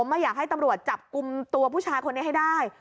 ไม่อยากให้ตำรวจจับกลุ่มตัวผู้ชายคนนี้ให้ได้